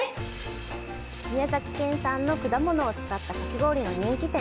宮崎県産の果物を使った、かき氷の人気店。